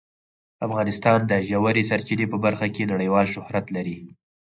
افغانستان د ژورې سرچینې په برخه کې نړیوال شهرت لري.